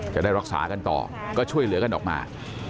จะได้รักษากันต่อก็ช่วยเหลือกันออกมา